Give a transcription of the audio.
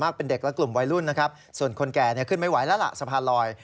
เป็นเด็กและกลุ่มวัยรุ่นนะครับส่วนคนแก่เนี่ยขึ้นไม่ไหวแล้วล่ะสะพานลอย